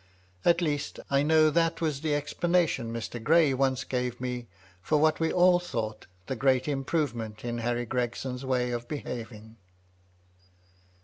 At least, I know that was the explanation Mr. Gray once gave me of what we all thought the great improvement in Harry Gregson's way of behaving.